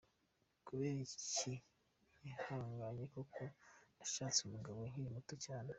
Kubera iki ntihanganye koko ?? Nashatse umugabo nkiri muto cyane.